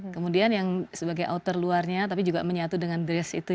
kemudian yang sebagai outer luarnya tapi juga menyatu dengan dress itu